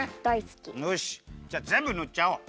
よしぜんぶぬっちゃおう。